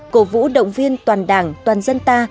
cổ vũ động viên toàn đảng toàn dân ta